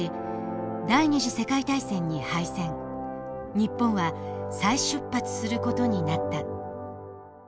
日本は再出発する事になった。